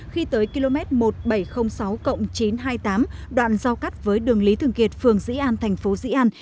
khi tới km một nghìn bảy trăm linh sáu chín trăm hai mươi tám đoạn giao cắt với đường lý thường kiệt phường dĩ an thành phố dĩ an